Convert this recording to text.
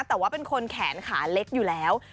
แต่ว่าเป็นคนแขนขาเล็กอยู่แล้ว